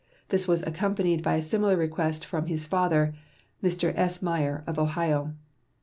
This was accompanied by a similar request from his father, Mr. S. Meyer, of Ohio.